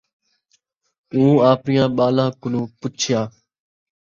اُوں آپڑیاں ٻالاں کنوں پُچھیا،